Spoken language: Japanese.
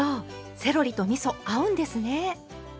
セロリとみそ合うんですね。